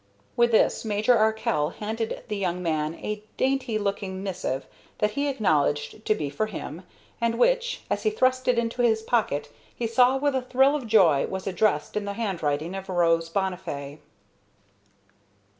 With this Major Arkell handed the young man a dainty looking missive that he acknowledged to be for him, and which, as he thrust it into his pocket, he saw with a thrill of joy was addressed in the handwriting of Rose Bonnifay.